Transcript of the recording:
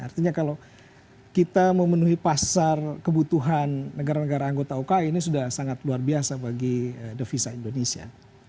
artinya kalau kita memenuhi pasar kebutuhan negara negara anggota uki ini sudah sangat luar biasa bagi devisa indonesia